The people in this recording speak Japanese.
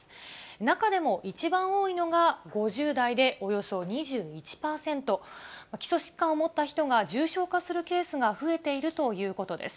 中でも、一番多いのが５０代でおよそ２１％、基礎疾患を持った人が重症化するケースが増えているということです。